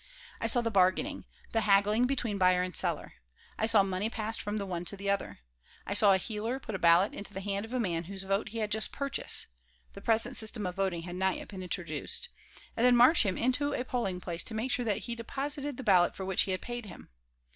I saw the bargaining, the haggling between buyer and seller; I saw money passed from the one to the other; I saw a heeler put a ballot into the hand of a man whose vote he had just purchased (the present system of voting had not yet been introduced) and then march him into a polling place to make sure that he deposited the ballot for which he had paid him.